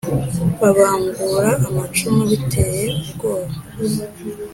babangura amacumu biteye ubwoba.